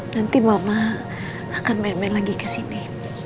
nanti mama akan main main lagi kesini